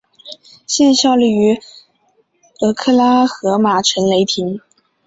现效力于俄克拉何马城雷霆。